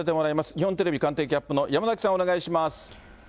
日本テレビ官邸キャップの山崎さん、お願いします。